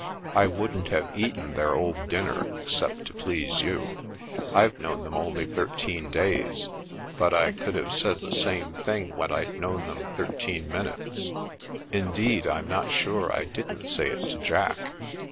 I wouldn't have eaten their old dinner, except to please you. I've known them only thirteen days, but I could have said the same thing when I'd known them thirteen minutes. Indeed, I'm not §ure I didn't say it to Jack.